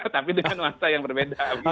tapi dengan nuansa yang berbeda